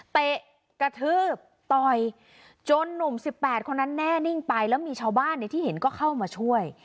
เตะกระทืบต่อยจนหนุ่ม๑๘คนนั้นแน่นิ่งไปแล้วมีชาวบ้านที่เห็นก็เข้ามาช่วย